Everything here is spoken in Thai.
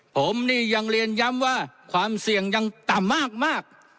ผมนี่ยังเรียนย้ำว่าความเสี่ยงยังต่ำมาก